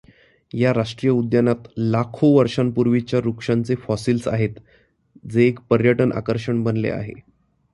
या राष्ट्रीय उद्यानात लाखो वर्षांपूर्वीच्या वृक्षांचे फॉसिल्स आहेत जे एक पर्यटन आकर्षण बनले आहे.